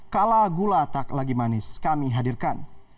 kalau gula tak lagi manis kami hadirkan